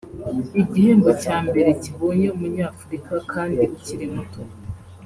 igihembo cya mbere kibonye Umunyafurika kandi ukiri muto